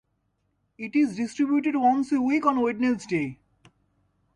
It is distributed once a week on Wednesdays.